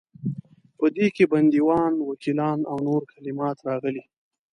په دې کې بندیوان، وکیلان او نور کلمات راغلي.